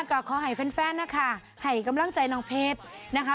ครับก็ขอให้แฟนนะค่ะให้กำลังใจน้องเพชร